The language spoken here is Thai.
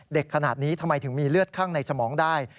เด็กขนาดนี้ทำไมถึงมีเลือดข้างในสมองได้